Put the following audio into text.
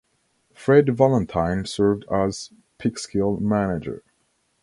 Fred Valentine served as Peekskill manager.